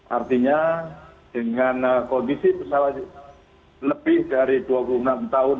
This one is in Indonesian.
artinya dengan kondisi pesawat lebih dari dua puluh enam tahun